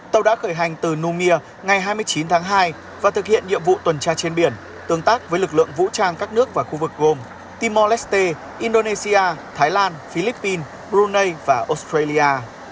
tàu đã khởi hành từ numir ngày hai mươi chín tháng hai và thực hiện nhiệm vụ tuần tra trên biển tương tác với lực lượng vũ trang các nước và khu vực gồm timor leste indonesia thái lan philippines brunei và australia